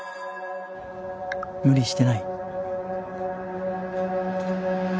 無理してない？」。